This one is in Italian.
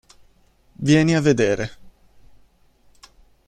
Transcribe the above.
Vieni a vedere!